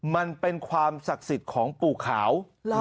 มันเป็นความศักดิ์สิทธิ์ของปู่ขาว